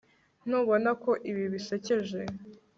ntubona ko ibi bisekeje